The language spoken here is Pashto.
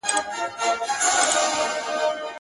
o نو په سندرو کي به تا وينمه.